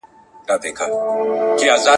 په دې جنګ يې پلار مړ دی ..